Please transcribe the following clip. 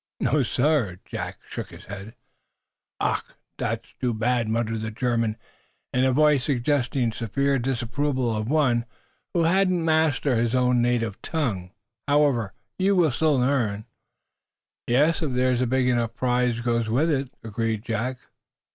"No, sir." Jack shook his head. "Ach, that is too bad!" muttered the German, in a voice suggesting severe disapproval of one who hadn't mastered his own native tongue. "However, you will soon learn." "Yes; if there's a big enough prize goes with it," agreed Jack.